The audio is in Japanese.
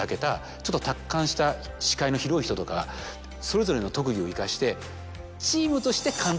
ちょっと達観した視界の広い人とかそれぞれの特技を生かして。